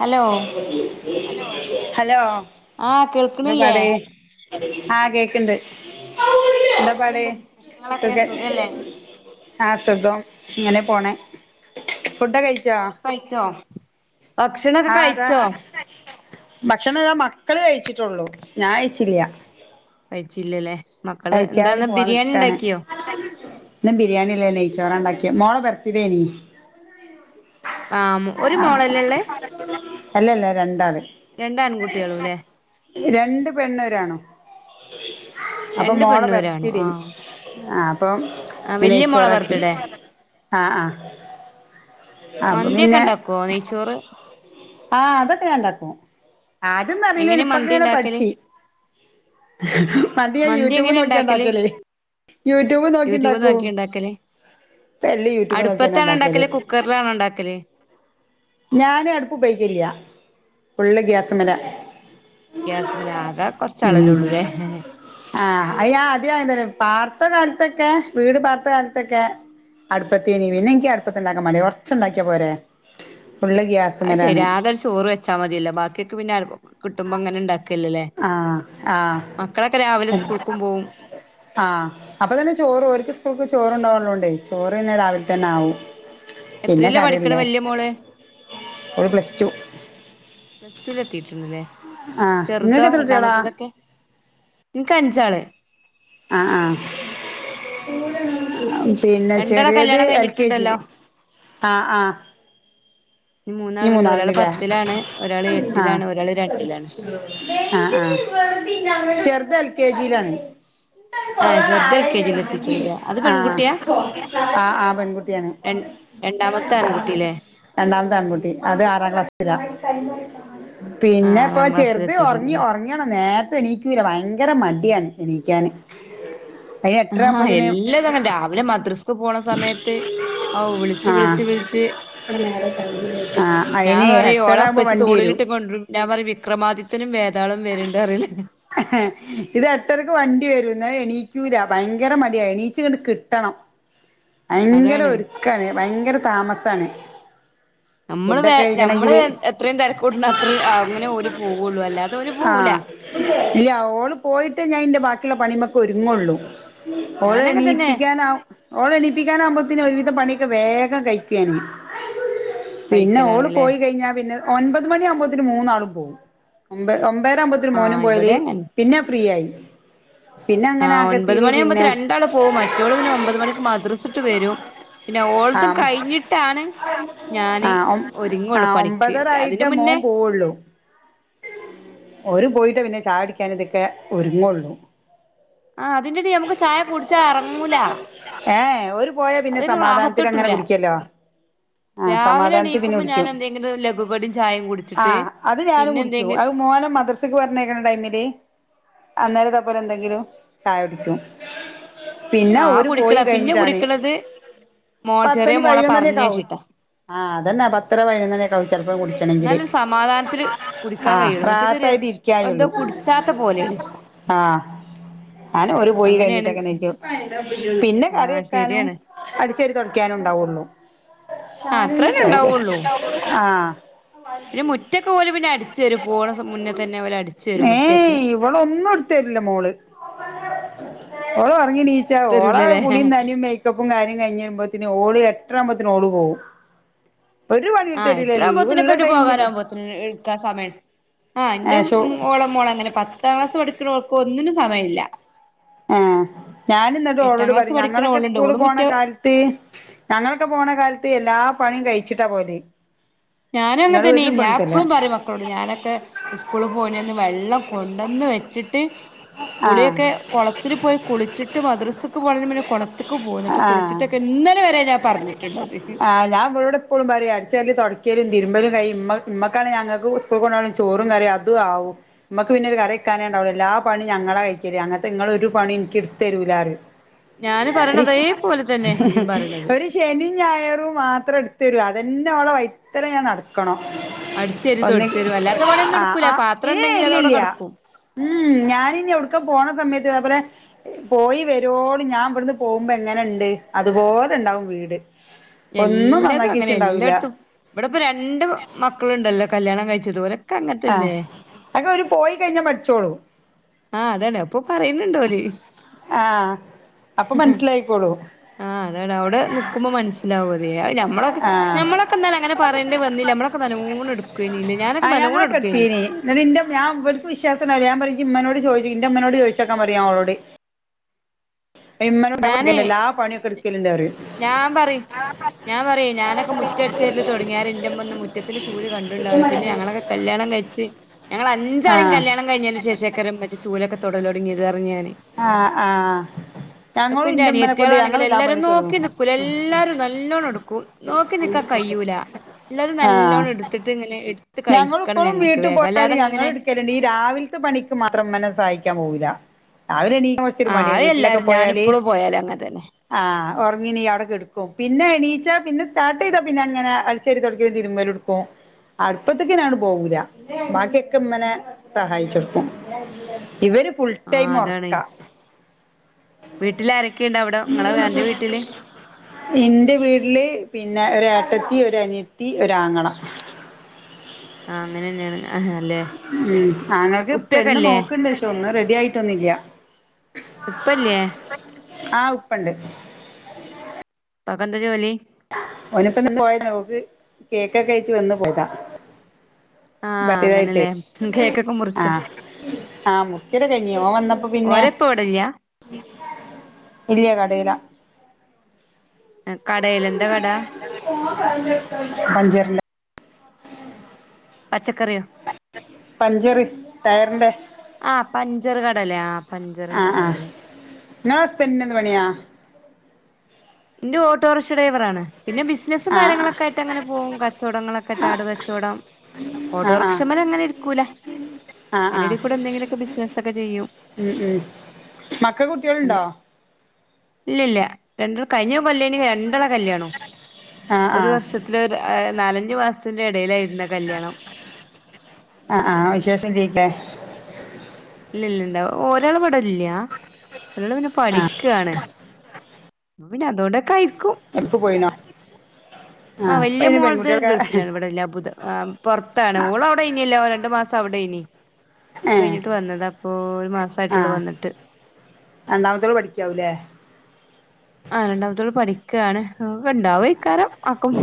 Hello [unintelligible] hello. ആഹ് എന്താ കേക്ക്‌ണില്ലേ? പാട് ആഹ് കേക്ക്‌ണ്ട്. ന്താപാട് എന്തൊക്കെയുണ്ട് വിശേഷങ്ങളൊക്കെ സുഖ സുഖല്ലേ ആ സുഖം ഇങ്ങനെ പോണ് ചോറൊക്കഴിച്ചോ? ആതാ ഭക്ഷണതാ മക്കള് കഴിച്ച് ട്ടൊള്ളു ഞായ്ച്ചില്ല. കഴിച്ചില്ലല്ലേ മക്കള് എന്താന്ന് പോവാൻ നിക്കാണ് ബിരിയാണിണ്ടാക്കിയോ? ഇന്ന് ബിരിയാണില്ല നെയ്‌ച്ചോറാണ്ടാക്കിയ മോളെ ബർത്തിഡേനീ. ആഹ് ഒരു ആ മോളല്ലേ ഉള്ളേ അല്ലല്ല രണ്ടാൾ. രണ്ട് ആൺകുട്ടികളുല്ലേ രണ്ട് പെണ്ണൊരാണും. അപ്പൊ രണ്ട് മോളെ പെണ്ണും ഒരാണും ബർത്തീടെനി ആഹ് ആ അപ്പൊ ആഹ് വല്യ മോളെ ഇന്നയിച്ചോറാക്കി. ബർത്ത്ഡേ ആ ആ. മന്തിക്കെണ്ടാക്കോ നെയ്ച്ചോറ് ആഹ് അതൊക്കെ ഞാണ്ടാക്കും ആതൊന്നും അറിലേനു എങ്ങനെ ഇപ്പൊടത്ത് മന്തി ഉണ്ടാക്കല് ഞാനപഠിച്. മന്തി ഞാൻ യൂട്യൂബ് എങ്ങനെ ഉണ്ടാക്കല് നോക്കിയണ്ടാക്കല്. YouTube YouTube നോക്കിണ്ടാക്കോ? നോക്കി ഉണ്ടാക്കല് ഇപ്പേല്ലം യൂട്യൂബ് അടുപ്പത്താണോ നോക്കിന്നെണ്ടാക്കല്. ഉണ്ടാക്കല് കുക്കറിലാണോ ഉണ്ടാക്കല് ഞാനടുപ്പുപയൊയ്ക്കല്ല്യ ഫുള്ള് ഗ്യാസ്മല ഗ്യാസ്മല ആക കൊറച്ചാളല്ലേള്ളൂല്ലേ? ആഹ് അയ്യ ആദ്യ യന്തൊരു പാർത്ത കാലത്തൊക്കെ വീട് പാർത്ത കാലത്തൊക്കെ അടുപ്പത്തിേനി പിന്നെ ഇൻക്ക് അടുപ്പത്ത്ണ്ടാക്കാൻ മടിയ കൊറച്ചണ്ടാക്കിയാ പോരെ. ഫുള്ള് ആ ഗ്യാസ്മ്മലാണ് ശര്യാ ആകെ ചോറ് വെച്ചാ മതില്ലോ ബാക്കിക്കെ പിന്നെ കിട്ടുമ്പോങ്ങനെ ഇണ്ടാക്കല്ലേ. ആഹ് ആഹ്. രാവിലെ സ്കൂൾക്കും പോവും ആഹ അപ്പൊതന്നെ ചോറ് ഒര്ക്ക് സ്കൂൾക്ക് ചോറണ്ടാവ ചോറ് ന്നെ രാവിൽത്തന്നെ ആവും. പിന്നെ എത്രീല പഠിക്കണ് കാര്യല്ലേ വല്യ മോള്? ഓള് പ്ലസ് ടു പ്ലസ്ടുലെത്തിട്ടുണ്ട്ല്ലേ ആഹ് ചെർതോ ഇങ്ങക്ക് എത്ര കുട്ടികളാ രണ്ടാമത്തതൊക്കെ? എനക്ക് അഞ്ചാള് ആ ആ പിന്നെ രണ്ടാളെ ചെറിയത് കല്യാണം എൽ കെ ജി കഴിഞ്ഞിട്ടുണ്ടല്ലോ ല് ആ ആ ഇനി മൂന്നാളുണ്ട് ഒരാള് മൂന്നാള്ണ്ട്ല്ലേ പത്തിലാണ് ഒരാള് ആ എട്ടിലാണ് ഒരാള് രണ്ടിലാണ് ആ ആ ചെറുത് എൽ കെ ജിയിലാണെ ആഹ് ചെറുത് എൽ കെ ജിയിൽ എത്തിയിട്ടുള്ളൂല്ലേ അത് ആ പെൺകുട്ടിയാ ആ ആ പെൺകുട്ടിയാണ് ര രണ്ടാമത്തെ ആൺകുട്ടില്ലേ രണ്ടാമത്തെ ആൺകുട്ടി അത് ആറാം ക്ലാസിലാ ആഹ് പിന്നെ ഇപ്പ ആറാം ക്ലാസ്സിൽ ചെറുത് ഉറങ്ങി എത്തിയിട്ടുണ്ടല്ലേ ഉറങ്ങിയണ നേരത്തെ എണീക്കുല ഭയങ്കര മടി ട്യാണ് എണീക്കാന് അയിന് എട്ടര ആഹ ആകുമ്പോത്തിന് എല്ലാ തങ്ങെനെ രാവിലെ മദ്രസ്ക്ക് പോണ സമയത്ത് ഔ വിളിച്ചു ആഹ് വിളിച്ചു വിളിച്ചു ആഹ് ഞാൻ അയിന് പറയും എട്ടരാകുമ്പോ ഓള്പ്പച്ചി വണ്ടി വരും തോളിലിട്ട് കൊണ്ട്‌രും ഞാൻ പറയും വിക്രമാദിത്യനും വേതാളും വരുന്നുണ്ട്ന്നു അറിയില്ലേ ഇത് എട്ടരക്ക് വണ്ടി വരുംന്ന് എണീക്കൂല ഭയങ്കര മടിയാ എണീചിങ്ട് കിട്ടണം ഭയങ്കര അതാണ് ഒരുക്കാണ് ഭയങ്കര താമസാണ് നമ്മള് വേ ഫുഡൊക്കെ നമ്മള് കഴിക്കണെങ്കില് എത്രയും തിരക്കൂട്ട അത്ര അങ്ങനെ ഓര് പോവുള്ളു അല്ലാതെ ഓര് പോകൂല ആഹ് ഇല്ല ഓള് പോയിട്ട് ഞാൻ ഇന്റെ ബാക്കിയുള്ള പണിമൊക്കെ ഒരുങ്ങുള്ളു ഓള ഞാനങ്ങനെ തന്നെ എണീപ്പിക്കാനഓ എണീപ്പിക്കാനാവുമ്പാതെനും ഒരുവിധ പണി വേഗം കഴിക്കുവെനും പിന്നെ ഓള് കഴിക്കലാണ്ല്ലേ പോയി കഴിഞ്ഞാ പിന്നെ ഒൻമ്പത് മണിയ ആകുമ്പോത്തേനും മൂന്നാളും പോകും ഒമ്പ ഒമ്പ് നേരമ്പാതെനും മോനും ആഹ് പോയാലേ ഇവിടെ അങ്ങനെ പിന്നെ ഫ്രീ ആയി പിന്നെ ആ അങ്ങനെ ഒൻമ്പത് ആകത്തിരി പിന്നെ മണിയാകുമ്പതേനും രണ്ടാളും പോകും മറ്റോള് പിന്നെ ഒമ്പത് മണിക്ക് മദ്രസട്ട് വരും പിന്നെ ഓൾതും ആഹ് കഴിഞ്ഞിട്ടാണ് ഞാന് ആഹ് ഒ ഒരുങ്ങോള്ളൂ ആഹ് പണിക്ക് ഒമ്പതര അതിന് ആയിട്ടേ മോൻ മുന്നേ പോവുള്ളൂ അങ്ങനെയണല്ലേ ഓര് പോയിട്ടേ പിന്നെ ചായുടിക്കാൻ ഇതൊക്കെ ഒരുങ്ങോള്ളൂ ആഹ് അതിന്റെടി നമുക്ക് ചായ കുടിച്ചാ എറങ്ങൂല ഏ ഓര് പോയാ പിന്നെ അതൊരു സമാധാനത്തില റാഹത്ത്ട്ടൂല അങ്ങനെ കുടിക്യല്ലോ ആ രാവിലെ സമാധാനത്തില് പിന്നെ എണീക്കുമ്പോ ഞാൻ കുടിക്കും എന്തെങ്കിലും ലഘുകടിം ചായയും ആ കുടിച്ചിട്ട് അത് ഞാനും പിന്നെ കുടിക് എന്തെങ്കി അത് മോന് മദ്രസക്ക് പറഞ്ഞേയ്ക്കണ ടൈമില് അന്നേര തയിന്റപ്പരം എന്തെങ്കിലും ചായ കുടിയിക്കും പിന്നെ ആ ഓര് കുടിക്കണ പോയി പിന്നെ കഴിഞ്ഞിട്ടാണ് കുടിക്കണത് മോ ചെറിയ പത്തണി മോളെ പയിനൊന്നണിയൊക്കെ ആവും പറഞ്ഞയച്ചിട്ടാ ആഹ അതന്നെ പത്ത്രര പയിനൊന്നണി തന്നെക്കാവും ചെലപ്പം കുടിച്ക്കണെങ്കില് എന്നാലൊരു സമാധാനത്തില് കുടിക്കാൻ ആഹ് കഴിയുള്ളൂ മറ്റേതൊരു റാത്തായിട്ട് എന്തോ ഇരിക്കായള്ളൂ കുടിച്ചാത്ത പോലെയാണ് ആ ആന് ഒരു പോയി അങ്ങനെയാണ് കഴിഞ്ഞിട്ടെക്കെ എണീക്കു പിന്നെ കറി ആഹ് വെക്കാനും ശരിയാണ് അടിച്ചാരി തൊടക്കാനും ഉണ്ടാവുള്ളു ആ അത്രന്നെ ഷാനുന്ട്ടോ ഉണ്ടാവുള്ളൂ ആ മുറ്റൊക്കെ ഓര് പിന്നെ അടിച്ചു അടിച്ചേരും പോണ മുന്നെ തന്നെ അവര് അടിചേരും ഏയ് മുറ്റൊക്കെ ഇവളൊന്നും എടുത്തരില്ല മോള് [unintelligible] ഓള് ഉറങ്ങിണീച്ചു ഓള എടുത്തരൂലല്ലേ കുളിയും നനേം മേക്കപ്പും കാര്യം കഴിഞ്ഞഞ് വരുമ്പോതേനും ഓള് എത്രാമ്പതേനും ഓള് പോവും ഒരു പണീം ആഹ് എടുത്തരില്ല എട്ടരാവുമ്പോത്തിനൊക്കെ ലീവള്ള അവര് ടൈമില് പോകാനാവുമ്പോത്തിന് എടുക്കാൻ സമയം ആഹ് എന്റെ ഏഹ് ഷോ ഓള മോള അങ്ങനെ പത്താം ക്ലാസ് പഠിക്കുണോൾക്ക് ഒന്നിനും സമയില്ല ആ ഞാനിന്നിട്ട് ഓടോട് ക്ലാസ് പറയും പഠിക്കുന്ന ഞങ്ങളൊക്കെ ഓളുണ്ട് സ്കൂള് ഓള് പോണ മുറ്റ കാലത്ത് ഞങ്ങളൊക്കെ പോണ കാലത്ത് എല്ലാ പണിയും കഴിച്ചിട്ടാ പോല് ഞാനും അങ്ങനെ തന്നയെയാ ഞാ എപ്പഴും പറയും മക്കളോട് ഞാനൊക്കെ സ്കൂള് പോയി വെള്ളം കൊണ്ടന്ന് വെച്ചിട്ട് ആഹ് കുളിയൊക്കെ കൊളത്തിലു പോയി കുളിച്ചിട്ട് മദ്രസ്സ് പോ പിന്നെ കൊളത്തക്ക് പോന്നിട്ട് ആഹ് കുളിച്ചിട്ടൊക്കെ ഇന്നല വരെ ഞാൻ പറഞ്ഞിട്ടുണ്ട്ത് അടിച്ചുവരല് തോടക്കല് തിരുമ്പലുംകയ്യും മ്മ മ്മക്കണേൽ ഞങ്ങൾക്കും സ്കൂൾക്ക് കൊണ്ടാവാൻള്ളെ ചോറും കറീം അതും ആവും മ്മക്ക് പിന്നെരു കറിവെക്കാനെ എല്ലാ പണീം ഞങ്ങള കഴിക്കല് അങ്ങനത്തെ ഇങ്ങൾ ഒരു പണീം ഇനിക്ക് എടുത്തരൂലാറിയും ഞാന് പറയണതേ പോലെ തന്നെ ഇയ്യും പറയണത് ഒരു ശനി ഞായറും മാത്രം എടുത്തരും അതെന്നെ ഓളെ വൈത്തലെ ഞാൻ നടക്കണം അടിച്ചേരി ഒന്നെങ്കി തൊടിച്ചേരും അല്ലാത്ത പണിയൊന്നും ആ എടുക്കൂല ആ പാത്രം ഏ ഉണ്ടെങ്കിൽ അതവിടെ ഇല്ലില്യ കടക്കും ഉം ഞാനിനി എവിടുക്ക പോണ സമയത്ത് അതെപോലെ പോയി വരോളം ഞാൻ അവിട്ന്ന് പോവുമ്പോ എങ്ങനെണ്ട് അതുപോലെണ്ടാവും വീട് ഒന്നും എല്ലാതും നന്നാക്കി അങ്ങനെ വെച്ചിണ്ടാവൂല എല്ലാട്ത്തും ഇവിടെ ഇപ്പ രണ്ട് മക്കളുണ്ടല്ലോ കല്യാണം കഴിച്ചതോരെ ആ അക്കെ ഒര് പോയി കഴിഞ്ഞാ പഠിച്ചോളും ആ അതാണ് അപ്പൊ പറയ്ണ് ണ്ടോര് ആ അപ്പൊ മനസ്സിലായിക്കോളും ആ അതണ് അവിടെ നിക്കുമ്പോ മനസ്സിലാവും അതോ ഞമ്മളൊക്കെ ആ ഞമ്മളൊക്കെ എാന്നാലും അങ്ങനെ പറയേണ്ടി വ ന്നില്ല നമ്മളൊക്കെ നല്ലോണ എടുക്കെനിലെ ഞാനൊക്കെ നല്ലൊണെടു നെടുക്കെഞ്ഞി ന്നട്ട് ന്റെ ഞാ ഇവല്ക്ക് വിശ്വാസം ഞാൻ പറയും ഇയ്യ് ഇമ്മനോട് ചോദിചോ ഇന്റെമ്മനോട് ചോയിച്ചോക്കാൻ പറയും ഞാനൊളോട് ഇമ്മനെ ഞാന് [inaudible] എല്ലാ പണിയൊക്കെ എടുക്കലിണ്ടെറിയും ഞാൻ പറയും ഞാൻ പറയും ഞാനൊക്കെ മുറ്റടിചവാരൽ തുടങ്ങിയാരെ ന്റെ മ്മന്നും മുറ്റത്തിൽചൂൽ കണ്ട്ണ്ടാവൂല പിന്നെ ഞങ്ങളൊക്കെ കല്യാണം കയിഞ്ഞാരെ ച്ചി ഞങ്ങളെ അഞ്ചാളിം ആഹ് കല്യാണം കഴിഞ്ഞേന്റെ ശേഷക്കാരം ഇമ്മച്ചി ചൂലൊക്കെ തൊടലൊട്ങ്ങിത് ആഹ് ആഹ് ഇപ്പൊ ഞങ്ങളും ഇന്റെ ഇമ്മനെക്കൊണ്ട് ഞങ്ങള് അനിയത്തിയാളാണെങ്കില് എല്ലാ എല്ലാരും പണി നോക്കി നിക്കൂല എല്ലാരും [unintelligible] നല്ലോണം എടുക്കും നോക്കി നിക്കാൻ കയ്യൂലാ ഇള്ളത് നല്ലോണെട്ത്തിട്ട് ഇങ്ങനെ എട് ഞങ്ങളും ഇപ്പളും വീട്ട് പോയാല് ഞങ്ങള് ഇട്ക്കല്ണ്ട് ഈ രാവില്ത്തെ പണിക്ക് മാത്രം ഇമ്മനെ സഹായിക്ക്യാ ൻ പോവൂല രാവിലെ എണീക്കാൻ കൊറ്ച്ചൊര് ആഹ് മടി അത് വീട്ടിലൊക്കെ എല്ലാരും പോയാല് ഞാനിപ്പളും പോയാലും അങ്ങനെ തന്നെ ആഹ് ഒറങ്ങിനീ അവടെ കെട്ക്കും പിന്നെ എണീ ച്ചാ പിന്നെ സ്റ്റാർട്ടെയ്താ പിന്നെ അങ്ങനെ അടിച്ചേരി തൊടക്കല് തിരുമ്പലെട്ക്കും അട്പ്പത്ത്ക്ക് പിന്നെയാട് പോവൂല്ല ബാക്കിയൊക്കെ ഇമ്മനെ സഹായിച്ചൊട്ക്കും ഇവര് ഫുൾ ആഹ് ടൈം അതാണ് ഒറക്കാ വീട്ടിൽ ആരൊക്കെയുണ്ട് അവിടെ നിങ്ങളെ അന്റെ വീട്ടില് ഇന്റെ വീട്ടില് പി ന്നെ ഒരേട്ടത്തി ഒരനിയത്തി ഒരാങ്ങള അങ്ങനെന്നേണ് ആഹ് ഹാ ഉം ആങ്ങൾക്ക് പെണ്ണ് നോക്ക്ണ്ട് പക്ഷേ ഒന്നും റെഡിയായിട്ടൊന്നില്ല ഇപ്പല്ലേ ആഹ് ഉപ്പണ്ട് ഇപ്പാക്കന്ത ജോലി ഓന്പ്പന്ന് നിന്ന് പോയതാണ് ഓള്ക്ക് കേക്കെക്കായിട്ട് വന്ന് പോയതാ ആഹ് ബർത്ത് ഡേ ആയിട്ടേ അങ്ങനെല്ലേ കേക്കൊക്കെ മുറിച്ചോ ആഹ് ആഹ് മുറിക്കല് കഴിഞ്ഞ് ഓന് വന്നപ്പോ പിന്നെ ഓരപ്പ ഇവിടില്ല ഇല്ല്യാ കടേലാ കടയിന്താ കട [unintelligible] പഞ്ചർന്റെ പഞ്ചറി ആ പഞ്ചർ കടല്ലേ ആ പഞ്ചറിന്റെ കടല്ലേ ങളെ ഹസ്ബന്റ്നെന്തു പണിയാ ന്റെ ഓ ഓട്ടോറിക്ഷ ഡ്രൈവറാണ് പിന്നെ ബിസിനസ്സും ആ കാര്യങ്ങളൊക്കെ ആയിട്ടങ്ങനെ പോവും കച്ചവടങ്ങളൊക്കെ ആ ആടു കച്ചവടം ആ ആ ഓട്ടോറിക്ഷമെലങ്ങനെ ഇരിക്കൂല ആ ആ അയിന്റെടി കൂടെന്തെങ്കിലോക്കെ ബിസിനസ്സൊക്കെ ചെയ്യും. മക്കക്ക് കുട്ട്യോളുണ്ടോ ഇല്ല ഇല്ല രണ്ടര കഴിഞ്ഞു ല് രണ്ടാൾടെ കല്യാണം ആ ആ ഒരുവർഷത്തിലെ നാലഞ്ചു മാസത്തിന്റെ ഇടയിലായിരുന്നു ആഹ് ആഹ് വിശേഷം [unintelligible] ഇല്ല ഇല്ല ഇല്ല ഒരാളിവടെ ഇല്ലാ ഒരാളെ പിന്നെ ആ പഠിക്കാണെ പിന്നെ അതുകൊണ്ടക്കെ ഗൾഫിൽ പോയിന ആ വലിയ മോളതെ ഗൾഫിലാണ് ഇവിടെല്ല അബുദാ പുറത്താണ് ഓള് അവിടെ ഇനല്ല രണ്ടു മാസം അവിടെ ഇ ഈ ആഹ് മാസായിട്ടുള്ളൂ ആഹ് വന്നിട്ട് രണ്ടാമത്തോളെ പഠിക്കാവൂല്ലേ ആഹ് രണ്ടാമത്തോള് പഠിക്കുകയാണ് ഉണ്ടാവോക്കാരം ആക്കും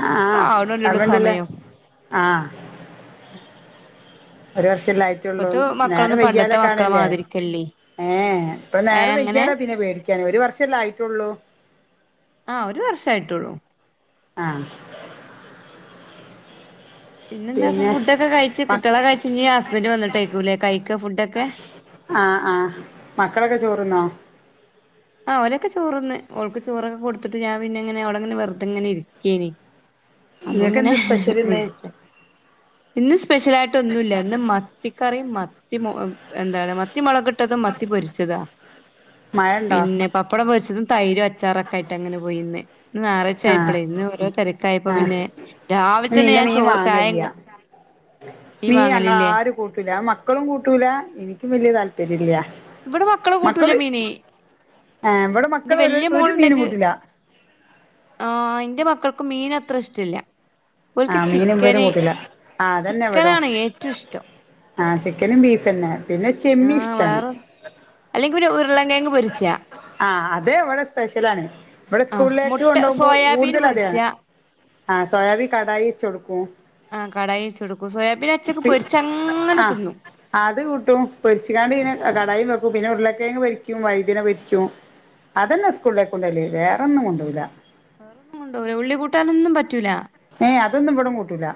ആ ആവണല്ലള്ളൂ ഓർമ്മണ്ടല്ലേ സമയം [inaudible] ഒരു വർഷല്ലേ ആയിട്ടുള്ളൂ ഇപ്പത്തെ നേരെ മക്കളൊന്നും വൈകാലേ പണ്ടത്തെ മക്കളെ കാണില്ലേ മാതിരിക്കല്ലേ ഏ ഇപ്പ ഏ നേരം അങ്ങനെ വൈക്യാലേ പിന്നെ പേടിക്കാനെ ഒരു വർഷല്ലേ ആയിട്ടുള്ളൂ ആഹ് ഒരു വർഷായിട്ടുള്ളൂ ആഹ് പിന്നെ എന്താ ഫുഡൊക്കെ കഴിച്ച് മക് കുട്ടികളെ കഴിച്ച് ഇനി ഹസ്ബൻന്റ് വന്നിട്ടേക്കൂല്ലേ കഴിക്ക ഫുഡൊക്കെ. ആഹ് ആഹ് മക്കളൊക്കെ ചോറ്ന്നോ ആ അവരൊക്കെ ചോറ്ന്ന് അവൾക്ക് ചോറൊക്കെ കൊടുത്തിട്ട് ഞാൻ പിന്നെ ഇങ്ങനെ അവിടെങ്ങനെ വെറുതെങ്ങനെ ഇരിക്കേനി അപ്പൊ നിങ്ങൾക്ക് ഇങ്ങനെ എന്താ സ്പെഷ്യൽ ഇന്ന് വിളിച്ചേ ഇന്ന് സ്പെഷ്യൽ ആയിട്ട് ഒന്നും ഇല്ല ഇന്ന് മത്തിക്കറി മത്തി മു എന്താണ് മത്തി മുളകിട്ടതും മത്തി പൊരിച്ചതാ മഴ ഉണ്ടോ പിന്നെ പപ്പടം പൊരിച്ചതും തൈരും അച്ചാറൊക്ക ആയിട്ട് അങ്ങനെ പോയിന്ന് ഇന്ന് ഞായറാഴ്ച്ച ആഹ് ആയപ്പളെ ഇന്ന് ഓരോ തിരക്കായിപ്പോ ആഹ് പിന്നെ രാവിലെ തന്നെ ഞാൻ ചോ ചായിം ക- മീ ഞങ്ങ ആരും കൂട്ടൂല മക്കളും കൂട്ടൂല എനിക്കും വല്യ താല്പര്യ ഇല്ല ഇവിടെ മക്കള് കൂട്ടൂല മീനി ഏഹ് ഇവിടെ എന്റെ മക്കള് ഒരു വല്യ ഒരു മീനും മോളുണ്ടെങ്കിൽ കൂട്ടില്ല ആ എന്റെ മക്കൾക്ക് മീൻ അത്ര ഇഷ്ടമില്ല അവൾക്ക് ആഹ് മീനും ഇവരും ചിക്കന് കൂട്ടില്ല ആഹ് ചിക്കനാണ് ഏറ്റവും ഇഷ്ടം ആ ചിക്കനും ബീഫ് തന്നെ പിന്നെ ചെമ്മീൻ ആ ഇഷ്ടാണ് വേറെ അല്ലെങ്കിൽ പിന്നെ ഉരുളങ്കങ് പൊരിച്ചാ അതെ ഇവിടെ സ്പെഷ്യലാണ് ഇവിടെ ആഹ് സ്കൂളിലേക്ക് മുട്ട കൊണ്ടുപോകുമ്പോൾ സോയാബീന് കൂടുതൽ അതാണ് പൊരിച്ചാ ആ സോയാബിൻ കടായിച്ചു കൊടുക്കും ആ കടായിച്ചു കൊടുക്കും സോയാബീനാച്ച പൊരിച്ചങ്ങനെ ആ തിന്നും അത് കൂട്ടും പൊരിച്ചുകാണ്ട് പിന്നെ കടായും വെക്കും പിന്നെ ഉരുളൊക്കെഴങ്ങ് പൊരിക്കും ക്കും വഴുതന വെക്കും അതന്നെ സ്കൂളിലേക്ക് കൊണ്ടു പോകല് വേറൊന്നും കൊണ്ടു പോകില്ല വേറൊന്നും കൊണ്ടുപോകില്ല ഉള്ളി കൂട്ടാനൊന്നും പറ്റൂല ഏയ് അതൊന്നും ഇവിടം കൂട്ടൂല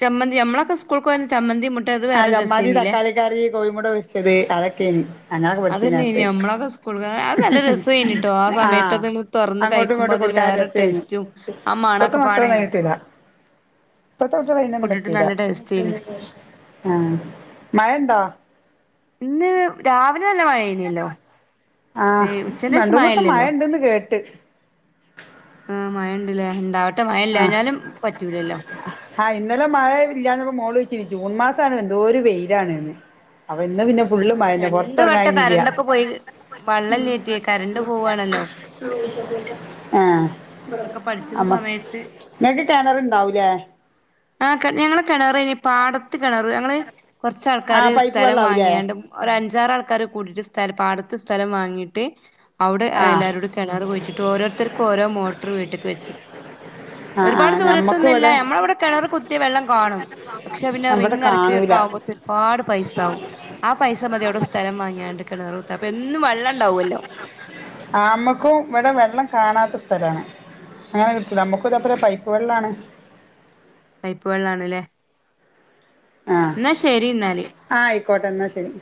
ചമ്മന്തി നമ്മളൊക്കെ സ്കൂൾക്ക് പോയത് ചമ്മന്തി മുട്ട അത് ആ വേറെ ചമ്മന്തി രസേനില്ലേ തക്കാളിക്കറി കോഴിമുട്ട പൊരിച്ചത് അതൊക്കെയാണ് ഞങ്ങളൊക്കെ പഠിച്ച അതന്നെനി നേത്ത് നമ്മളൊക്കെ സ്കൂൾക്ക് അത് നല്ല രസേനിട്ടോ ആ സമയത്ത് അത് തുറന്ന് അങ്ങോട്ടും കഴിക്കുമ്പോ ഇങ്ങോട്ടും അതൊരു കൊടുത്ത് വേറെ രസായിരുന്നു ടേസ്റ്റും ആ ഇപ്പത്തെ മണൊക്കെ പാടെ മക്കളൊന്നും അതിന് പറ്റൂല ഇപ്പളത്തെ കുട്ടികളെ അതിനൊന്നും കൂട്ടിട്ട് പറ്റൂല നല്ല ടേസ്റ്റേനി ആ മഴണ്ടോ ഇന്ന് രാവിലെ നല്ല മഴയായിരുന്നല്ലോ ആ രണ്ടൂ മൂന്ന് ദിവസം മഴ ഉണ്ടെന്ന് കേട്ട് ആ മഴ ഉണ്ട് ലേ ഉണ്ടാവട്ടെ ആ മഴല്ലാഞ്ഞാലും പറ്റൂലല്ലോ ആ ഇന്നലെ മഴ ഇല്ലന്നപ്പോ മോള് ജൂൺ മാസാണ് എന്തോ ഒരു വെയിലാണ്ന്ന് ഇന്ന് പിന്നെ ഫുള്ള് മഴന്നെ രണ്ട് പുറത്തിറങ്ങാൻ വട്ടം കഴിഞ്ഞില്ല കരണ്ടൊക്കെ പോയി വള്ളല്ലേറ്റെ കരണ്ട് പോവാണല്ലോ ആഹ് [inaudible] ഇങ്ങക്ക് കെണറ്ണ്ടാവൂലേ ആ ഞങ്ങളെ കിണറ് ഇനി പാട കിണ ഞങ്ങൾ കൊറച്ച ആൾക്കാർ ആഹ് പൈപ്പ് സ്ഥലം വെള്ളാവൂലേ വാങ്ങിയാണ്ട്ഞ്ച് പഞ്ചാറ ആൾക്കാര് കൂടിയിട്ട് സ്ഥ പാടത്ത് സ്ഥലം വാങ്ങിയിട്ട് അവിടെ ആഹ് എല്ലാരോടും കിണർ പോഴിച്ചിട്ട് ഓരോരുത്തർക്കും ഓരോ മോട്ടർ വീട്ടിലക്ക് വെച്ച ആഹ് ഒരുപാട് ആഹ് ഞമ്മക്ക് ദൂരത്തൊന്നുംല്ലല്ല ഇവടെ നഞമ്മള ഇവിടെ കിണർ കുത്തിയ വെള്ളം കാണും പക്ഷെ പിന്നെ ഇവടെ റിങ് കാണൂല ഇറക്കിക്ക ആകുമ്പോത്ത ഒരുപാട് പൈസാവും ആ പൈസ മതി അവിടെ സ്ഥലം വാങ്ങിയാണ്ട് കിണർ കുത്ത അപ്പൊ എന്നും വെള്ളം ഉണ്ടാവുമല്ലോ നമ്മുക്കും ഇവിടെ വെള്ളം കാണാത്ത സ്ഥലാണ് അങ്ങനെ കി നമ്മുക്ക് ഇതപറേ പൈപ്പ് വെള്ളാണ് പൈപ്പുവെള്ളാണല്ലേ ആ ആ ആയിക്കോട്ടെ എന്നാ ശരി